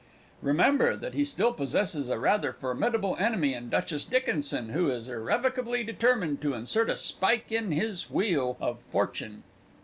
Remember that he still possesses a rather formidable enemy in Duchess Dickinson, who is irrevocably determined to insert a spike in his wheel of fortune.